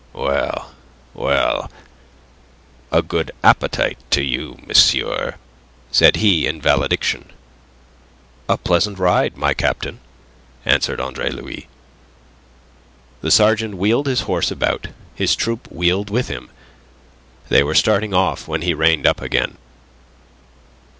Well, well a good appetite to you, monsieur," said he, in valediction. "A pleasant ride, my captain," answered Andre Louis. The sergeant wheeled his horse about, his troop wheeled with him. They were starting off, when he reined up again.